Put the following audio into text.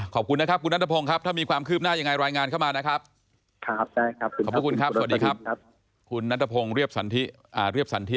ขอบคุณนะครับคุณนัทพงศ์ครับถ้ามีความคืบหน้ายังไงรายงานเข้ามานะครับ